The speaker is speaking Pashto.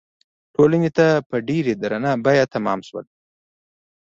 ټولنې ته په ډېره درنه بیه تمام شول.